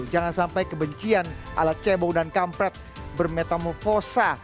jangan sampai kebencian alat cebong dan kampret bermetamofosa